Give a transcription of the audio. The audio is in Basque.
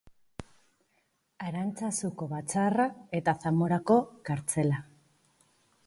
Arantzazuko batzarra eta Zamorako kartzela.